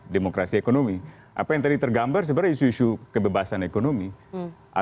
demokrasi ekonomi apa yang tadi tergambar sebagai isu isu kebebasan ekonomi atau keadilan sosial